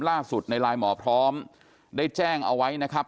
ล่าสุดในไลน์หมอพร้อมได้แจ้งเอาไว้นะครับ